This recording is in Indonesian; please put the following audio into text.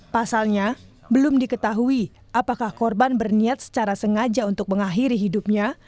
pasalnya belum diketahui apakah korban berniat secara sengaja untuk mengakhiri hidupnya